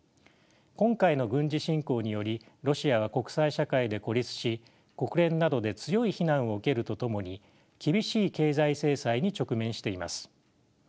今回の軍事侵攻によりロシアは国際社会で孤立し国連などで強い非難を受けるとともに厳しい経済制裁に直面しています。